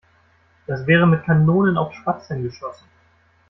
Das wäre mit Kanonen auf Spatzen geschossen.